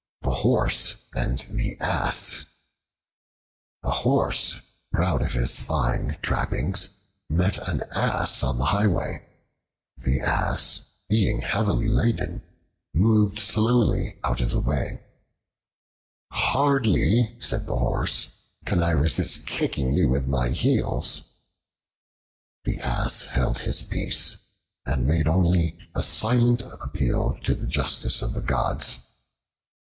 The Horse and the Ass A HORSE, proud of his fine trappings, met an Ass on the highway. The Ass, being heavily laden, moved slowly out of the way. "Hardly," said the Horse, "can I resist kicking you with my heels." The Ass held his peace, and made only a silent appeal to the justice of the gods.